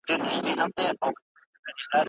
تاسو ولې غواړئ چي هلمند ته سفر وکړئ؟